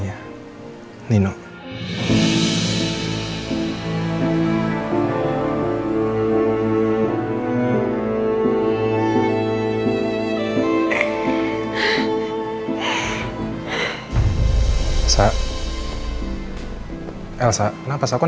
keisha bisa ketemu lagi sama papanya nino